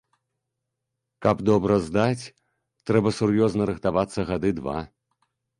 Каб добра здаць, трэба сур'ёзна рыхтавацца гады два.